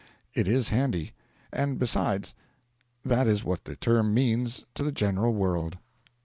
It is handy; and, besides, that is what the term means to the general world.